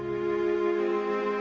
mau beli rotan